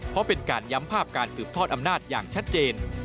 เพราะเป็นการย้ำภาพการสืบทอดอำนาจอย่างชัดเจน